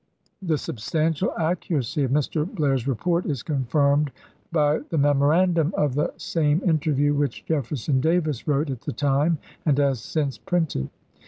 The substantial accuracy of Mr. Blair's report is confirmed by the memorandum of the same inter view which Jefferson Davis wrote at the time and has since printed.